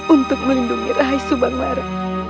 untuk melindungi rahai subang lara